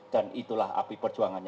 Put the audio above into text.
dan itulah api perjuangannya